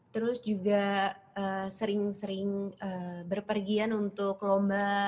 terus juga sering sering berpergian untuk lomba